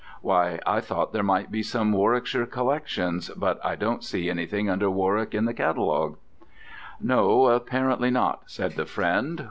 "Why, I thought there might be some Warwickshire collections, but I don't see anything under Warwick in the catalogue." "No, apparently not," said the friend.